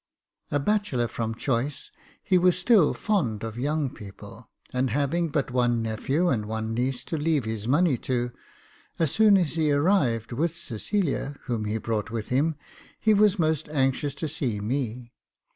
A bachelor from choice, he was still fond of young people j and having but one nephew and one niece to leave his money to, as soon as he arrived with Cecilia, whom he brought with him, he was most anxious to see me.